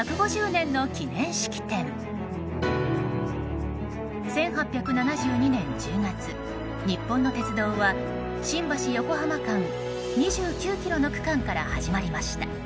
１８７２年１０月、日本の鉄道は新橋横浜間２９ｋｍの区間から始まりました。